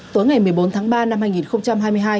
tối ngày một mươi bốn tháng ba năm hai nghìn hai mươi hai